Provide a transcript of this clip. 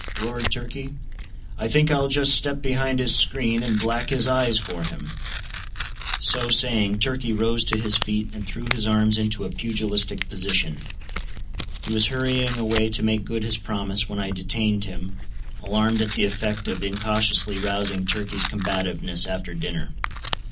roared Turkey; "I think I'll just step behind his screen, and black his eyes for him!" So saying, Turkey rose to his feet and threw his arms into a pugilistic position. He was hurrying away to make good his promise, when I detained him, alarmed at the effect of incautiously rousing Turkey's combativeness after dinner.